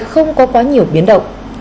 không có quá nhiều biến động